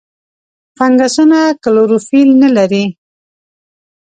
فنګسونه کلوروفیل نه لري.